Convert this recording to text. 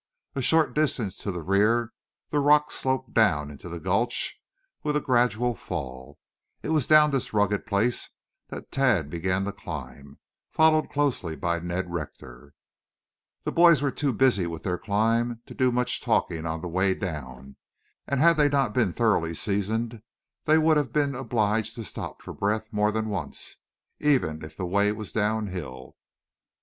A short distance to the rear the rocks sloped down into the gulch with a gradual fall. It was down this rugged place that Tad began to climb, followed closely by Ned Rector. [ILLUSTRATION: Tad Was Followed Closely by Ned Rector.] The boys were too busy with their climb to do much talking on the way down, and had they not been thoroughly seasoned they would have been obliged to stop for breath more than once, even if the way was down hill.